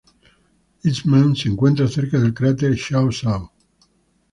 Eastman se encuentra cerca del cráter Xiao Zhao.